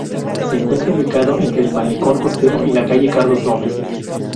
Se encuentra ubicado entre el malecón costero y la calle Carlos Gómez.